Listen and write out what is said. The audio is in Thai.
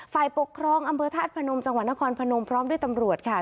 ฝ่ายปกครองอำเภอธาตุพนมจังหวัดนครพนมพร้อมด้วยตำรวจค่ะ